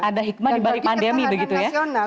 ada hikmah di balik pandemi begitu ya